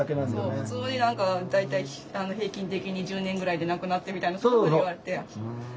普通に何か「大体平均的に１０年ぐらいで亡くなって」みたいな言われて。